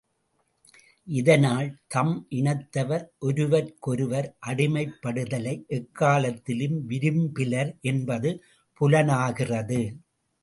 இதனால் தம் இனத்தவர் ஒருவர்க்கொருவர் அடிமைப்படுதலை எக்காலத்திலும் விரும்பிலர் என்பது புலனாகிறது.